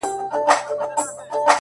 • خلکو ویل چي دا پردي دي له پردو راغلي,